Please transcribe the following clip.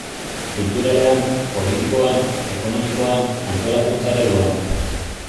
Kulturalean, politikoan, ekonomikoan, antolakuntza ereduan...